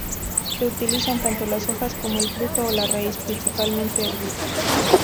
Se utilizan tanto las hojas como el fruto o la raíz, principalmente hervidas.